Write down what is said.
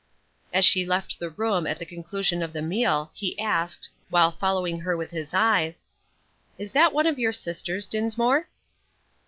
As she left the room at the conclusion of the meal, he asked, while following her with his eyes, "Is that one of your sisters, Dinsmore?"